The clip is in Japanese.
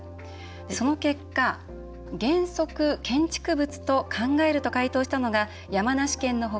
その結果、原則建築物と考えると回答したのが山梨県の他